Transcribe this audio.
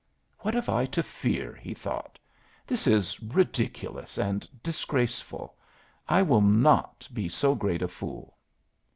"What have I to fear?" he thought. "This is ridiculous and disgraceful; I will not be so great a fool."